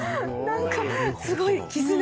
何か絆がすごい。